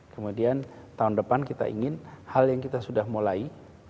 kemudian tahun depan kita ingin hal yang kita sudah mulai